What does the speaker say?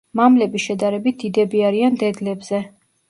მამლები შედარებით დიდები არიან დედლებზე.